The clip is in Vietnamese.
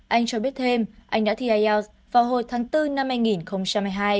anh cho biết thêm anh đã thi ielts vào hồi tháng bốn năm hai nghìn hai mươi hai